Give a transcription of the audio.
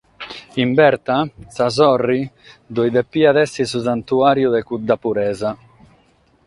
In Berta, sa sorre, ddoe depiat èssere su santuàriu de cudda puresa.